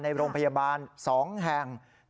ในโรงพยาบาล๒แห่ง